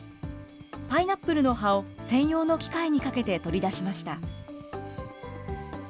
パイナップルの葉を専用の機械にかけて取り出しました。